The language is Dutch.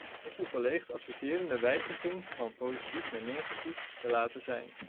Ik wil collega's adviseren de wijziging van positief naar negatief te laten zijn.